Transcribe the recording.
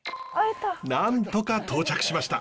なんとか到着しました。